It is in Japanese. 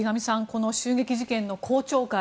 この襲撃事件の公聴会